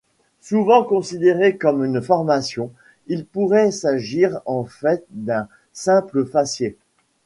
Souvent considérée comme une formation, il pourrait s'agir en fait d'un simple faciès.